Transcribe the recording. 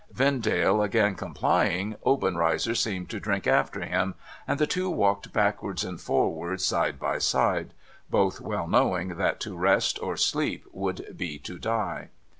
Vendale again complying, Obenreizer seemed to drink after him, and the two walked liackwards and forwards side by side; both well knowing that to rest or sleep would be to die.